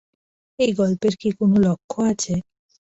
এই গল্পের কি কোনো লক্ষ্য আছে?